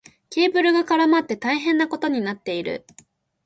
ケーブルが絡まって大変なことになっている。